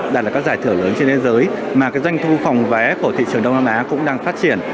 đạt là các giải thưởng lớn trên thế giới mà doanh thu phòng vé của thị trường đông nam á cũng đang phát triển